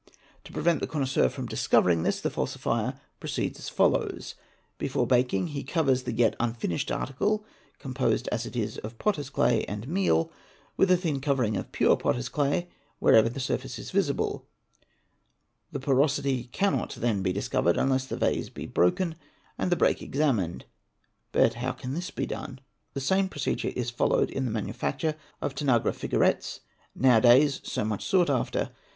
To prevent the connoisseur from discovering this, the falsifier proceeds as follows: before baking, he covers the yet unfinished article, composed as it is of potter's clay and meal, with a thin — covering of pure potter's clay wherever the surface is visible; the porosity — cannot then be discovered unless the vase be broken and the break examined ; but how can this be done? The same procedure is followed in the manufacture of Tanagra figurettes, now a days so much sought after.